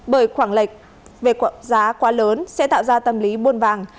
bởi khoảng lệch về giá quá lớn sẽ tạo ra tâm lý muôn vàng